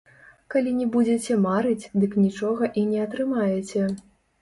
Калі не будзіце марыць, дык нічога і не атрымаеце.